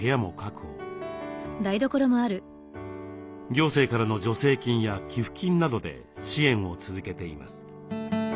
行政からの助成金や寄付金などで支援を続けています。